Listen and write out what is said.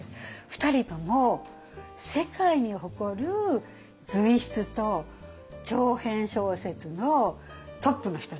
２人とも世界に誇る随筆と長編小説のトップの人なんですね。